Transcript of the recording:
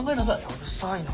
うるさいな。